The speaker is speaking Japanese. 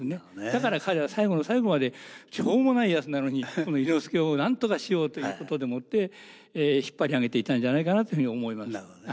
だから彼は最後の最後までしょうもないやつなのにこの伊之助を何とかしようということでもって引っ張り上げていったんじゃないかなというふうに思います。